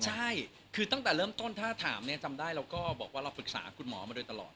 ใช่คือตั้งแต่เริ่มต้นถ้าถามเนี่ยจำได้เราก็บอกว่าเราปรึกษาคุณหมอมาโดยตลอด